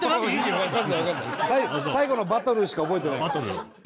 最後の「バトル」しか覚えてない。